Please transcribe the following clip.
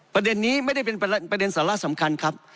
ประเด็นนี้ไม่ได้เป็นประเด็นสาระสำคัญครับ